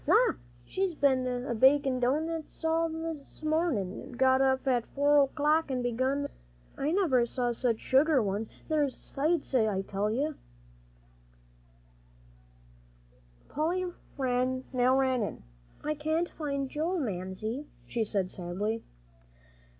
La! she's been a bakin' doughnuts all this mornin', got up at four o'clock an' begun 'em. I never see such sugary ones. They're sights, I tell you." Polly now ran in. "I can't find Joel, Mamsie," she said sadly.